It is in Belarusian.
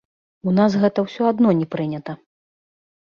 У нас гэта ўсё адно не прынята.